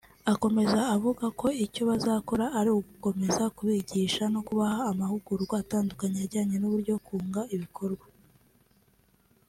Akomeza avuga ko icyo bazakora ari ugukomeza kubigisha no kubaha amahugurwa atandukanye ajyanye n’uburyo kunga bikorwa